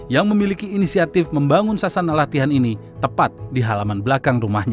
yang memiliki inisiatif membangun sasana latihan ini tepat di halaman belakang rumahnya